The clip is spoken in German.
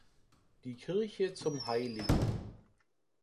Die Kirche zum hl.